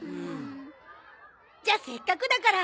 じゃせっかくだから。